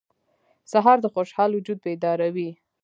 سهار د خوشحال وجود بیداروي.